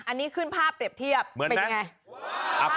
อันนี้ขึ้นภาพเปรียบเทียบ